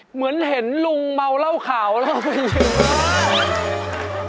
เหมือนเห็นลุงเมาเหล้าขาวเล่าไป